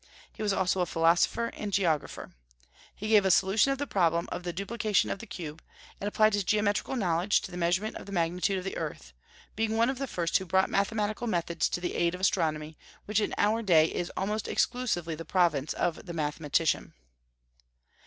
He was also a philosopher and geographer. He gave a solution of the problem of the duplication of the cube, and applied his geometrical knowledge to the measurement of the magnitude of the earth, being one of the first who brought mathematical methods to the aid of astronomy, which in our day is almost exclusively the province of the mathematician.